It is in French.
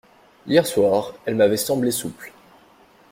Hier soir, elles m’avaient semblé souples.